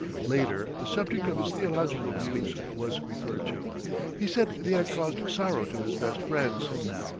Later the subject of his theological views was referred to. He said they had caused sorrow to his best friends.